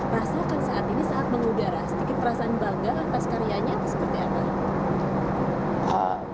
rasakan saat ini saat mengudara sedikit perasaan bangga atas karyanya atau seperti apa